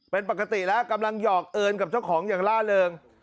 เป็นปกติแล้วกำลังหยอกเอิญกับเจ้าของอย่างล่าเริง